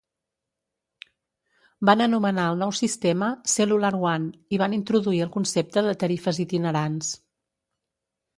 Van anomenar el nou sistema "Cellular One" i van introduir el concepte de tarifes itinerants.